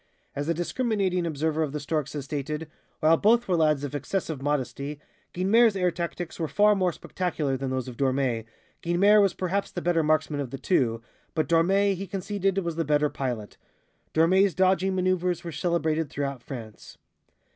As a discriminating observer of The Storks has stated, "While both were lads of excessive modesty, Guynemer's air tactics were far more spectacular than those of Dormé, Guynemer was perhaps the better marksman of the two, but Dormé, he conceded, was the better pilot. Dormé's dodging maneuvers were celebrated throughout France."